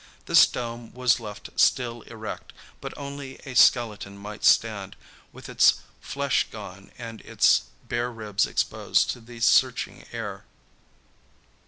This dome was left still erect, but only as a skeleton might stand, with its flesh gone and its bare ribs exposed to the searching air.